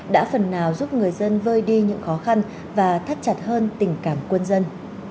đã phần nào giúp người dân vơi đi những khó khăn và thắt chặt hơn tình cảm quân dân